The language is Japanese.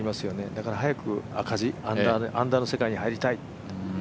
だから早く、赤字アンダーの世界に入りたい。